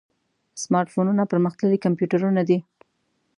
سمارټ فونونه پرمختللي کمپیوټرونه دي.